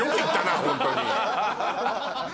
ホントに。